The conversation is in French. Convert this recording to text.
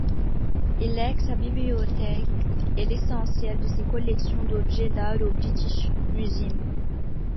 Il lègue sa bibliothèque et l'essentiel de ses collections d'objets d'art au British Museum.